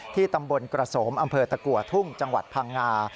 ตำบลกระสมอำเภอตะกัวทุ่งจังหวัดพังงา